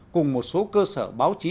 cùng một số cơ sở báo chí